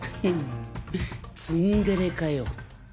ツンデレかよ。